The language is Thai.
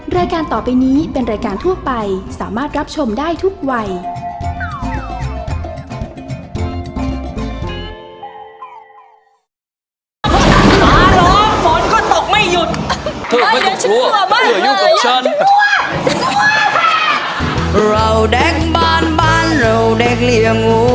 รายการต่อไปนี้เป็นรายการทั่วไปสามารถรับชมได้ทุกวัย